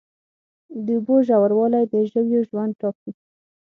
د اوبو ژوروالی د ژویو ژوند ټاکي.